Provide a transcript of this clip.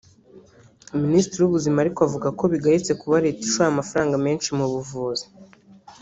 Minisitiri w’Ubuzima ariko avuga ko bigayitse kuba leta ishora amafaranga menshi mu buvuzi